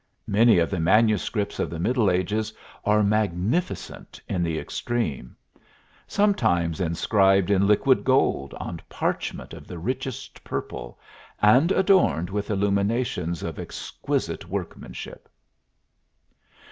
Many of the manuscripts of the middle ages are magnificent in the extreme; sometimes inscribed in liquid gold on parchment of the richest purple, and adorned with illuminations of exquisite workmanship."